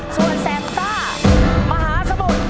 ส่วนแสบซ่ามหาสมุทร